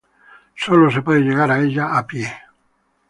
Sólo se puede llegar a ella a pie.